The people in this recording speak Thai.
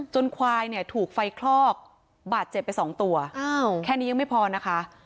ควายเนี่ยถูกไฟคลอกบาดเจ็บไปสองตัวแค่นี้ยังไม่พอนะคะ